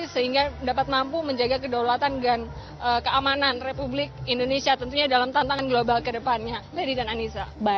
sehingga dapat mampu menjaga kedaulatan dan keamanan republik indonesia tentunya dalam tantangan global kedepannya